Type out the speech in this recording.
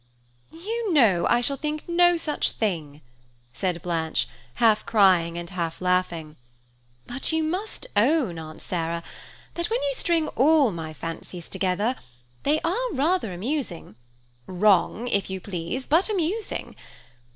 "You know I shall think no such thing," said Blanche, half crying and half laughing, "but you must own, Aunt Sarah, that when you string all my fancies together, they are rather amusing–wrong, if you please, but amusing.